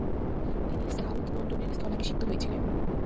তিনি সাউথ নর্টনের স্থলাভিষিক্ত হয়েছিলেন।